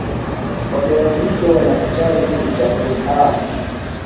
wajawazito wanahitaji vitamini A